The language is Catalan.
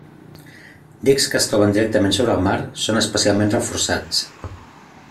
Dics que es troben directament sobre el mar són especialment reforçats.